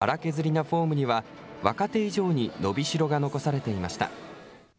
粗削りなフォームには、若手以上に伸びしろが残されていました。